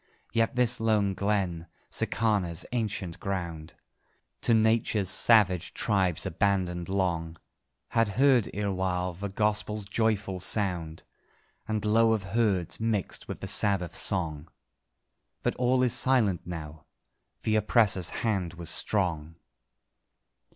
Yet this lone glen (Sicāna's ancient ground) To nature's savage tribes abandoned long, Had heard, erewhile, the Gospel's joyful sound, And low of herds mixed with the Sabbath song. But all is silent now. The oppressor's hand was strong.